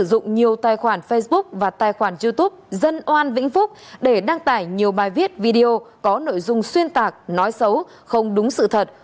sử dụng nhiều tài khoản facebook và tài khoản youtube dân oan vĩnh phúc để đăng tải nhiều bài viết video có nội dung xuyên tạc nói xấu không đúng sự thật